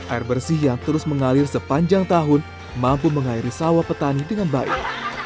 air bersih yang terus mengalir sepanjang tahun mampu mengairi sawah petani dengan baik